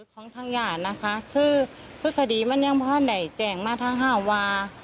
ของทางญาตินะคะคือคดีมันยังพอได้แจ้งมาทั้ง๕วา